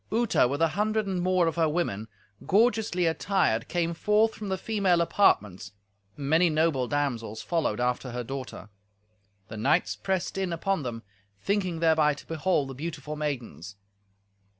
Uta, with an hundred and more of her women, gorgeously attired, came forth from the female apartments, and many noble damsels followed after her daughter. The knights pressed in upon them, thinking thereby to behold the beautiful maidens.